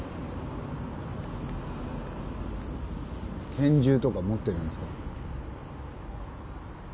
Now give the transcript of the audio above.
拳銃とか持ってるんですか？